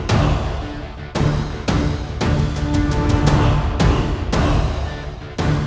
danda danda tolong aku danda